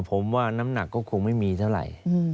ผมว่าน้ำหนักก็คงไม่มีเท่าไหร่